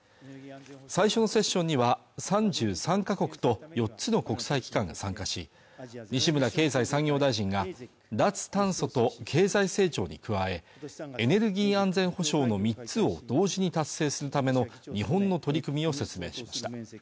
最初のセッションには３３か国と４つの国際機関が参加し西村経済産業大臣が脱炭素と経済成長に加えエネルギー安全保障の３つを同時に達成するための日本の取り組みを説明しました